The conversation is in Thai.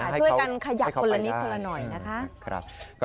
ให้เขาไปได้ช่วยกันขยับคนละนิดคนละหน่อยนะคะ